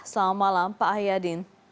selamat malam pak ayadin